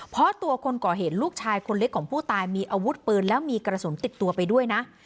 เพราะตัวคนก่อเหตุลูกชายคนเล็กของผู้ตายมีอาวุธปืนแล้วมีกระสุนติดตัวไปด้วยนะ